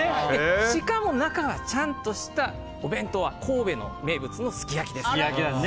しかも、中はちゃんとしたお弁当は神戸の名物のすき焼きです。